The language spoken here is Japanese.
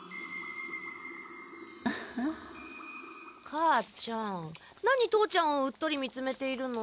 母ちゃん何父ちゃんをウットリ見つめているの？